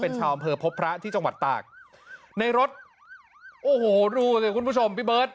เป็นชาวอำเภอพบพระที่จังหวัดตากในรถโอ้โหดูสิคุณผู้ชมพี่เบิร์ต